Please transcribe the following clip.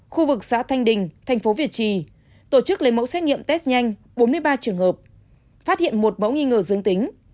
khu vực xã thanh đình thành phố việt trì tổ chức lấy mẫu xét nghiệm test nhanh bốn mươi ba trường hợp phát hiện một mẫu nghi ngờ dương tính